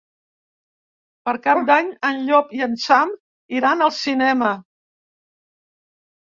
Per Cap d'Any en Llop i en Sam iran al cinema.